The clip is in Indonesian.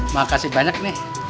makasih banyak nih